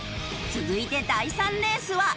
続いて第３レースは。